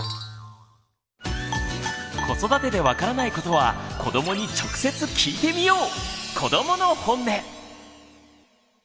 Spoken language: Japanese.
子育てで分からないことは子どもに直接聞いてみよう！